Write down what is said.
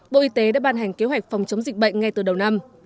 bộ y tế đã ban hành kế hoạch phòng chống dịch bệnh ngay từ đầu năm